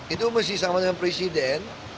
itu mesti sama dengan presiden